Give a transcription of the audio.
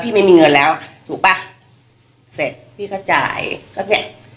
ไม่มีเงินแล้วถูกป่ะเสร็จพี่ก็จ่ายก็เสร็จ